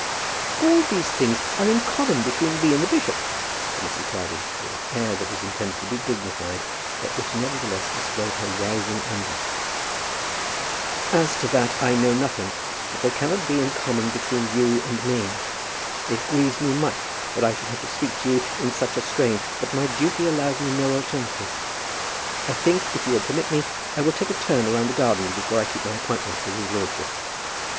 "All these things are in common between me and the bishop," said Mrs. Proudie, with an air that was intended to be dignified, but which nevertheless displayed her rising anger. "As to that I know nothing, but they cannot be in common between you and me. It grieves me much that I should have to speak to you in such a strain, but my duty allows me no alternative. I think, if you will permit me, I will take a turn round the garden before I keep my appointment with his lordship."